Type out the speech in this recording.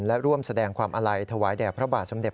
และร่วมแสดงความอาลัยถวายแด่พระบาทสมเด็